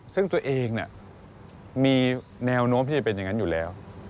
ซึ่งตัวเองมีแนวโน้มที่จะเป็นอย่างนั้นอยู่แล้ว